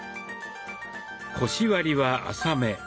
腰割りは浅め。